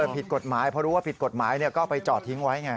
ผิดกฎหมายเพราะรู้ว่าผิดกฎหมายก็เอาไปจอดทิ้งไว้ไง